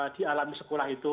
di alami sekolah itu